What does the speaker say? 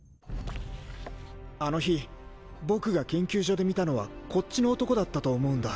あの日僕が研究所で見たのはこっちの男だったと思うんだ。